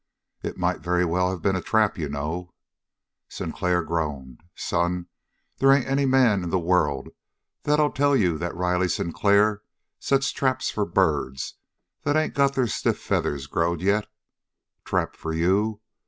"It might very well have been a trap, you know." Sinclair groaned. "Son, they ain't any man in the world that'll tell you that Riley Sinclair sets his traps for birds that ain't got their stiff feathers growed yet. Trap for you?